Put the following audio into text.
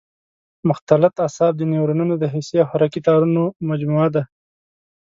مختلط اعصاب د نیورونونو د حسي او حرکي تارونو مجموعه ده.